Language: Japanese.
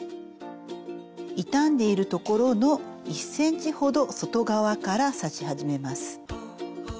傷んでいる所の１ｃｍほど外側から刺し始めます。